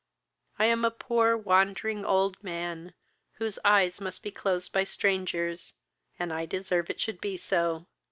I am a poor, wandering, old man, whose eyes must be closed by strangers, and I deserve it should be so.